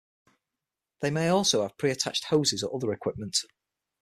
They may also have pre-attached hoses or other equipment.